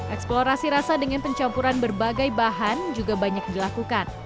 eksplorasi rasa dengan pencampuran berbagai bahan juga banyak dilakukan